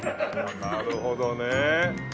なるほどね。